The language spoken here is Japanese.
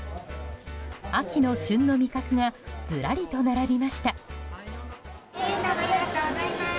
秋の旬の味覚がずらりと並びました。